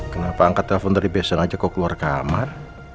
kenapa angkat telepon dari besion aja kok keluar kamar